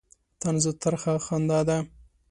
طنز ترخه خندا ده.